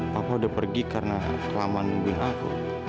papak udah pergi karena kelamaan nungguin aku